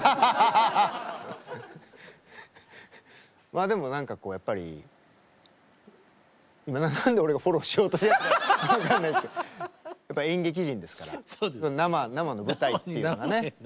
まあでも何かこうやっぱり今何で俺がフォローしようとしてるのか分かんないですけどやっぱ演劇人ですから生の舞台っていうのがね